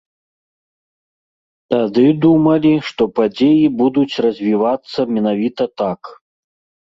Тады думалі, што падзеі будуць развівацца менавіта так?